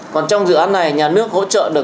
còn trong dự án này nhà nước hỗ trợ được